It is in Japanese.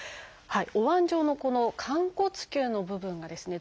おわん状のこの寛骨臼の部分がですね